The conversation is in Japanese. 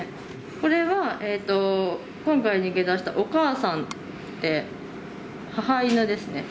これは今回、逃げ出したお母さんで、母犬ですね。